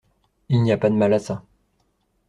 Il n’y a pas de mal à ça.